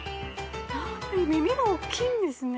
耳がおっきいんですね。